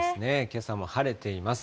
けさも晴れています。